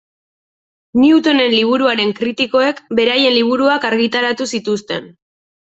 Newtonen liburuaren kritikoek beraien liburuak argitaratu zituzten.